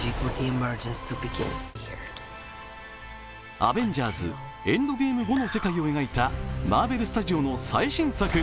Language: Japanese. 「アベンジャーズ／エンドゲーム」後の世界を描いたマーベル・スタジオの最新作。